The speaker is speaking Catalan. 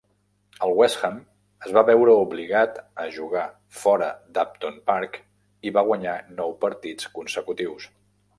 El West Ham es va veure obligat a jugar fora d'Upton Park i va guanyar nou partits consecutius.